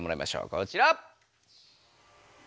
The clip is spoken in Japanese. こちら！